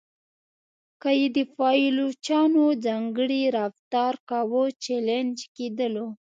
که یې د پایلوچانو ځانګړی رفتار کاوه چلنج کېدلو.